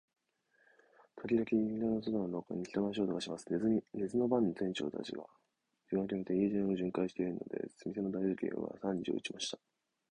ときどき、板戸の外の廊下に、人の足音がします。寝ずの番の店員たちが、時間をきめて、家中を巡回じゅんかいしているのです。店の大時計が三時を打ちました。